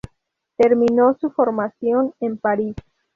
Terminó su formación en París.